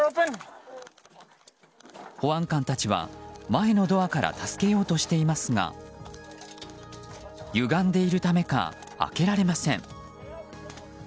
保安官たちは前のドアから助けようとしていますが歪んでいるためか開けられません。